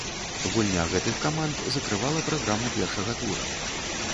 Гульня гэтых каманд закрывала праграму першага тура.